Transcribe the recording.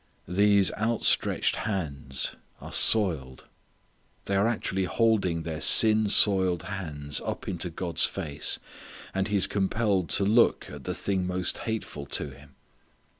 These outstretched hands are soiled! They are actually holding their sin soiled hands up into God's face; and He is compelled to look at the thing most hateful to Him.